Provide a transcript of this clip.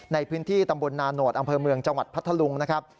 ในพื้นที่ตำบลนาโนธอำเภอเมืองจังหวัดพัทธลุงนะครับ